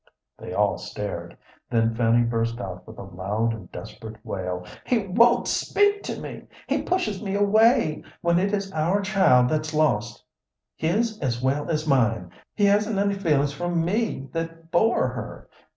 They all stared, then Fanny burst out with a loud and desperate wail. "He won't speak to me, he pushes me away, when it is our child that's lost his as well as mine. He hasn't any feelings for me that bore her.